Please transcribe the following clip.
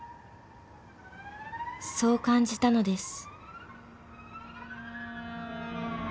そう感じたのです］